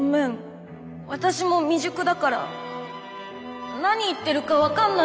私も未熟だから何言ってるか分かんないよ。